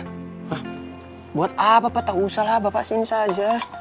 hah buat apa tak usah lah bapak sini saja